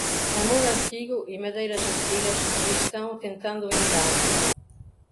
Amor antigo e madeiras antigas estão tentando entrar.